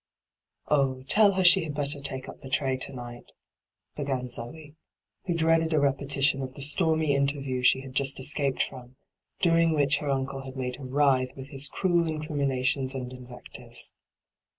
' Oh, tell her she had better take up the tray to night,' began Zee, who dreaded a repetition of the stormy interview she had just escaped from, during which her uncle had made her writhe with his cruel incriminations and invectives.